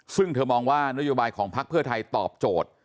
ซึ่งเธอมองว่านโยบายของพักเพื่อไทยตอบโจทย์